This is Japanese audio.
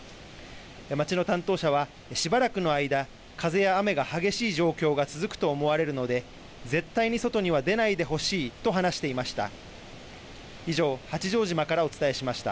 町の担当者は、しばらくの間、風や雨が激しい状況が続くと思われるので絶対に外には出ないでほしいと話していました。